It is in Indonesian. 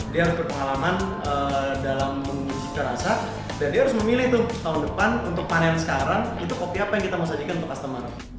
dia harus berpengalaman dalam cita rasa dan dia harus memilih tuh tahun depan untuk panen sekarang itu kopi apa yang kita mau sajikan untuk customer